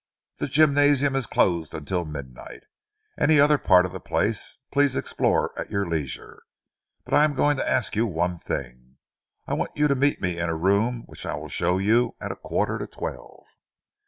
The gymnasium is closed until midnight. Any other part of the place please explore at your leisure, but I am going to ask you one thing. I want you to meet me in a room which I will show you, at a quarter to twelve."